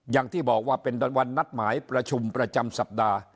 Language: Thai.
อย่างที่บอกว่าเป็นวันนัดหมายประชุมประจำสัปดาห์